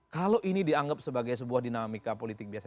kalau ini dianggap sebagai sebuah dinamika politik di indonesia